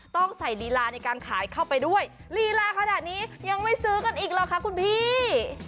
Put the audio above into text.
ต้องใส่ลีลาในการขายเข้าไปด้วยลีลาขนาดนี้ยังไม่ซื้อกันอีกหรอคะคุณพี่